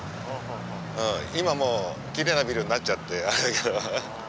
今もうきれいなビルになっちゃってあれだけど。